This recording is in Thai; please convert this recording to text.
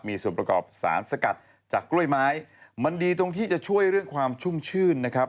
มีส่วนประกอบสารสกัดจากกล้วยไม้มันดีตรงที่จะช่วยเรื่องความชุ่มชื่นนะครับ